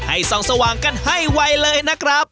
ส่องสว่างกันให้ไวเลยนะครับ